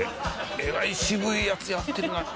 えらい渋いやつやってるな。